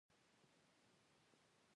زردالو د افغان کلتور په داستانونو کې راځي.